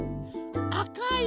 あかい。